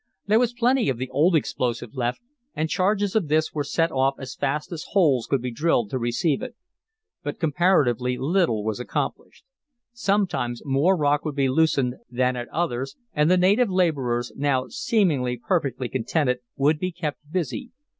There was plenty of the old explosive left and charges of this were set off as fast as holes could be drilled to receive it. But comparatively little was accomplished. Sometimes more rock would be loosed than at others, and the native laborers, now seemingly perfectly contented, would be kept busy.